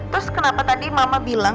terus kenapa tadi mama bilang